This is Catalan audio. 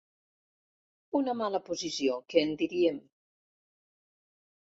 Una mala posició, que en diríem.